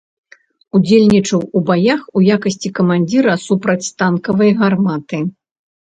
Удзельнічаў у баях у якасці камандзіра супрацьтанкавай гарматы.